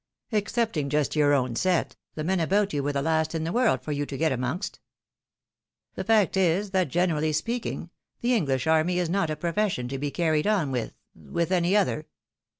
Excepting just your own set, the men about you were the last in the world for you to get amongst. The fact is, that, generally speaking, the English army is not a profession to be carried on with — ^with any other.